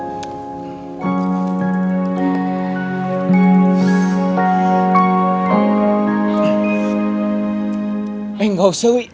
eh gak usah wi